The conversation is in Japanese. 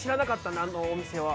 あのお店は。